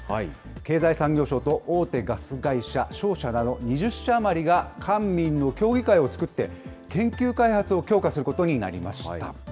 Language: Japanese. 経済産業省と大手ガス会社、商社など、２０社余りが官民の協議会を作って、研究開発を強化することになりました。